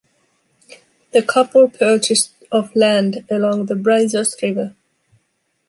The couple purchased of land along the Brazos River.